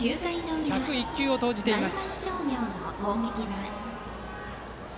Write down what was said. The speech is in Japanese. １０１球を投じています。